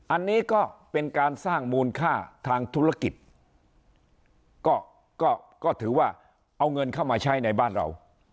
อันนี้ก็เป็นการสร้างมูลค่าทางธุรกิจก็ก็ถือว่าเอาเงินเข้ามาใช้ในบ้านเรา